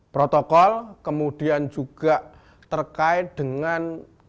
protokol kemudian juga terkait dengan